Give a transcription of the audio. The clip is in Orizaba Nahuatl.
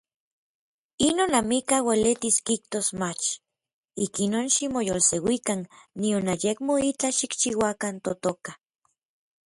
Inon amikaj uelitis kijtos mach. Ikinon ximoyolseuikan nion ayekmo itlaj xikchiuakan totoka.